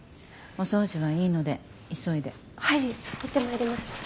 行ってまいります。